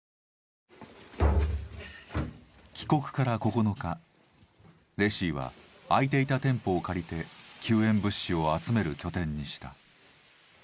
帰国から９日レシィは空いていた店舗を借りて救援物資を集める拠点にした。